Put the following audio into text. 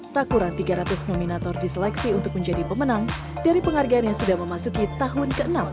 tak kurang tiga ratus nominator diseleksi untuk menjadi pemenang dari penghargaan yang sudah memasuki tahun ke enam